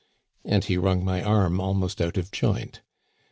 " And he wrung my arm almost out of joint.